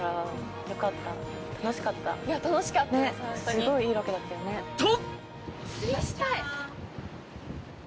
すごいいいロケだったよね。と！